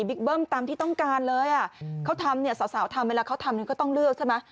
เบิ้มตามที่ต้องการเลยอ่ะเขาทำเนี่ยสาวทำเวลาเขาทำก็ต้องเลือกใช่ไหม